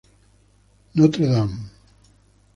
Notre Dame"